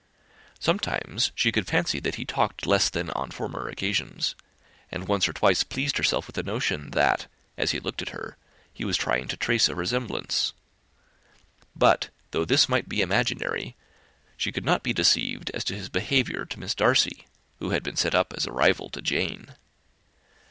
Sometimes she could fancy that he talked less than on former occasions, and once or twice pleased herself with the notion that, as he looked at her, he was trying to trace a resemblance. But, though this might be imaginary, she could not be deceived as to his behaviour to Miss Darcy, who had been set up as a rival to Jane.